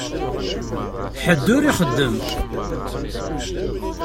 Ḥedd ur ixeddem.